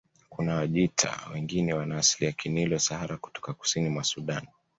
Kuna Wajita wengine wana asili ya Kinilo Sahara kutoka kusini mwa Sudan